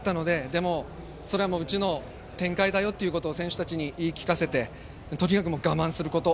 でも、それはうちの展開だということを選手たちに言い聞かせてとにかく我慢すること。